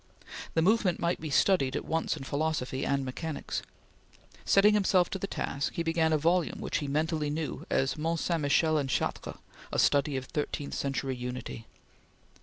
The movement might be studied at once in philosophy and mechanics. Setting himself to the task, he began a volume which he mentally knew as "Mont Saint Michel and Chartres: a Study of Thirteenth Century Unity."